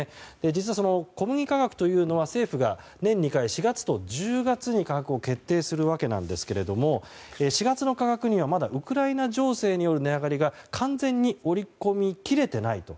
実は小麦価格は政府が年２回４月と１０月に価格を決定するわけなんですが４月の価格にはまだウクライナ情勢による値上がりが完全に織り込み切れていないと。